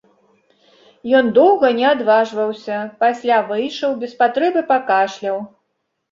Ён доўга не адважваўся, пасля выйшаў, без патрэбы пакашляў.